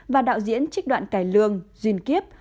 và đạo diễn trích đoạn cài lương duyên kiếp